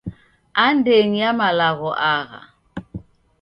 Andenyi ya malagho agha